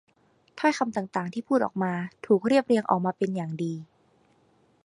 ถ้อยคำต่าง ๆ ที่พูดออกมาถูกเรียบเรียงออกมาเป็นอย่างดี